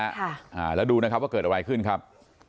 อ่าแล้วดูนะครับว่าเกิดอะไรขึ้นครับ